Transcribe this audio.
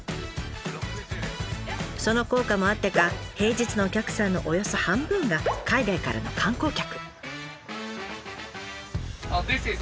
その効果もあってか平日のお客さんのおよそ半分が海外からの観光客。